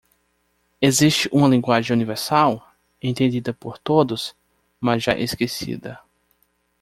Existe uma linguagem universal? entendida por todos? mas já esquecida.